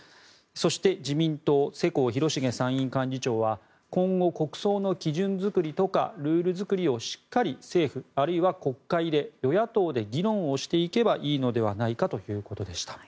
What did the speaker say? そして自民党、世耕弘成参院幹事長は今後、国葬の基準作りとかルール作りをしっかり政府あるいは国会で与野党で議論をしていけばいいのではないかということでした。